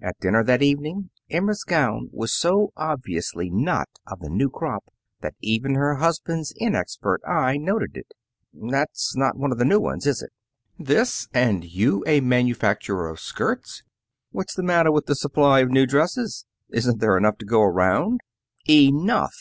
At dinner that evening, Emma's gown was so obviously not of the new crop that even her husband's inexpert eye noted it. "That's not one of the new ones, is it?" "This! And you a manufacturer of skirts!" "What's the matter with the supply of new dresses? Isn't there enough to go round?" "Enough!